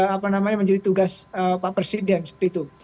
apa namanya menjadi tugas pak presiden seperti itu